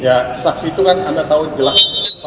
ya saksi itu kan anda tahu jelas